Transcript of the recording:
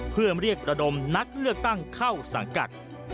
เพื่อเรียกระดมนักเลือกตั้งเข้าสังกัด